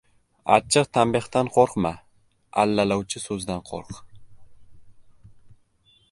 Achchiq tanbehdan qo‘rqma, Allalovchi so‘zdan ko‘rq.